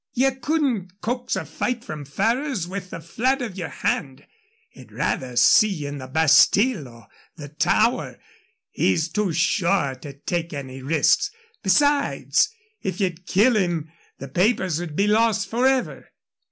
Ye couldn't coax a fight from Ferrers with the flat of yer hand. He'd rather see ye in the Bastile or the Tower. He's too sure to take any risks. Besides, if ye'd kill him the papers would be lost forever.